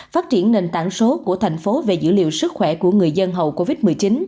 phát triển nền tảng số của thành phố về dữ liệu sức khỏe của người dân hậu covid một mươi chín